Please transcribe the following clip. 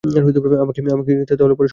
আমাকে কি তাহলে সময়টা বলতে পারবেন?